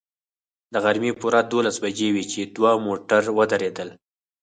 د غرمې پوره دولس بجې وې چې دوه موټر ودرېدل.